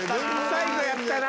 最後やったな！